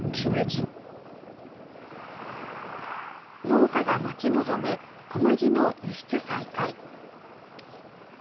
農家が待ち望む小麦の輸出再開。